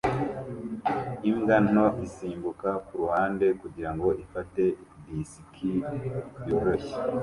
Imbwa nto isimbuka kuruhande kugirango ifate disiki yoroshye